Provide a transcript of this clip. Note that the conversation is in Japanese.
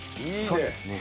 そうですね。